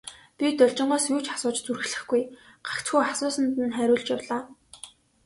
Би Должингоос юу ч асууж зүрхлэхгүй, гагцхүү асуусанд нь хариулж явлаа.